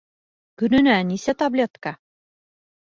Көнөнә нисә таблетка?